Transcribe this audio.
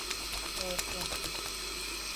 Towo kplon ke.